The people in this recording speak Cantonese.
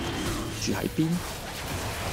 住喺邊